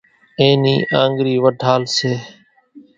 اين نِي آنڳرِي وڍال سي۔